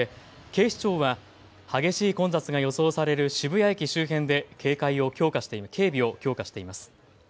警視庁は激しい混雑が予想される渋谷駅周辺で警備を強化しています。